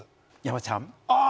山ちゃん！